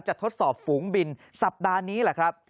ทดสอบฝูงบินสัปดาห์นี้แหละครับ